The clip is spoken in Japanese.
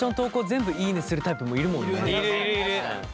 全部「いいね！」するタイプもいるもんね。